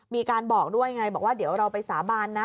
มีการบอกด้วยไงบอกว่าเดี๋ยวเราไปสาบานนะ